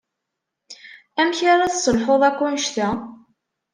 Amek ara tesselḥuḍ akk anect-a?